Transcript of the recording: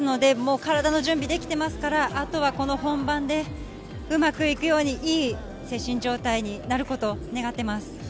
体の準備ができていますから、あとは本番でうまくいくように良い精神状態になることを願っています。